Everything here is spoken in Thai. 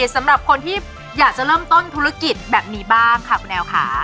สำหรับคนที่อยากจะเริ่มต้นธุรกิจแบบนี้บ้างค่ะคุณแอลค่ะ